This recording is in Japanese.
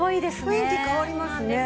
雰囲気変わりますね。